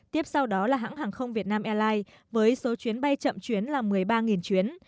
tiếp sau đó là hãng hàng không việt nam airlines với số chuyến bay chậm chuyến là một mươi ba chuyến